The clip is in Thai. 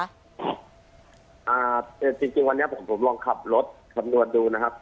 จริงจริงวันนี้ผมผมลองขับรถคำนวณดูนะครับ